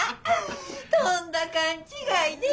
とんだ勘違いで。